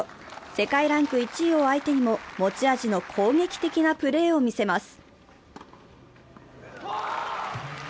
世界ランク１位を相手にも持ち味の攻撃的なプレーを見せます。